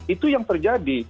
itu yang terjadi